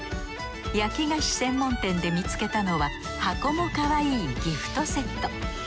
焼き菓子専門店で見つけたのは箱もかわいいギフトセット。